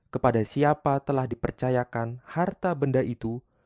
kepada siapa telah dipercayakan harta benda itu